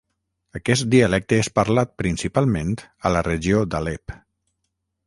Aquest dialecte és parlat principalment a la regió d'Alep.